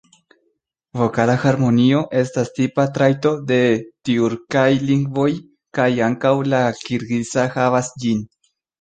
Vokala harmonio estas tipa trajto de tjurkaj lingvoj, kaj ankaŭ la kirgiza havas ĝin.